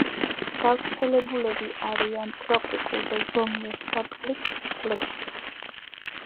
გავრცელებული არიან ტროპიკულ და ზომიერი სარტყლის წყლებში.